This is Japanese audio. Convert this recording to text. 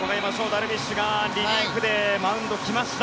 ダルビッシュがリリーフでマウンドに来ました。